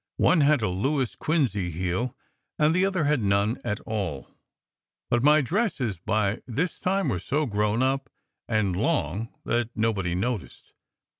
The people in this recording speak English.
One had a Louis Quinze heel and the other had none at all; but my dresses by this time were so "grown up" and long that nobody noticed.